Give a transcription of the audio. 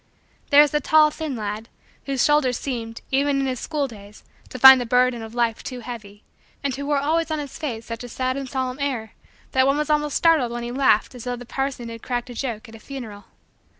There was the tall, thin, lad whose shoulders seemed, even in his school days, to find the burden of life too heavy; and who wore always on his face such a sad and solemn air that one was almost startled when he laughed as though the parson had cracked a joke at a funeral.